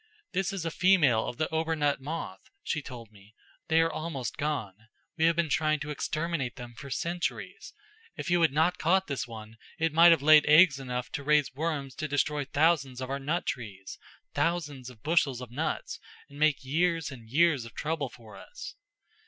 'This is a female of the obernut moth,' she told me. 'They are almost gone. We have been trying to exterminate them for centuries. If you had not caught this one, it might have laid eggs enough to raise worms enough to destroy thousands of our nut trees thousands of bushels of nuts and make years and years of trouble for us.